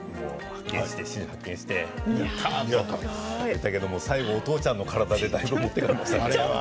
新種を発見してやったーってだけれども、最後お父ちゃんの体でだいぶ持っていかれました。